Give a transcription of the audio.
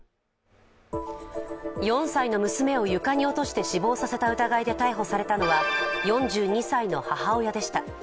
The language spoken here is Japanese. ４歳の娘を床に落として死亡した疑いで逮捕されたのは４２歳の母親でした。